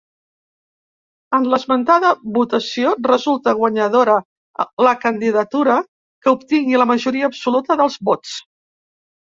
En l'esmentada votació resulta guanyadora la candidatura que obtingui la majoria absoluta dels vots.